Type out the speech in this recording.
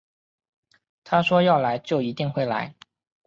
他说要来就一定会来